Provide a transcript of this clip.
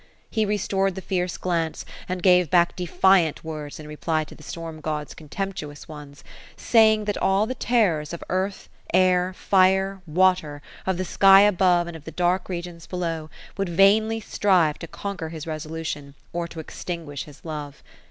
He restored the fierce glance, and gave back defiant words in reply to the storm gods' con temptuous ones ; saying that all the terrors of earth, air, fire, water, of the sky above, and of the dark regions beneath, would vainly strive to conquer his resolution, or to extinguish his love.